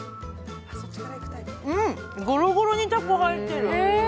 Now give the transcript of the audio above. うん、ごろごろにたこ入ってる。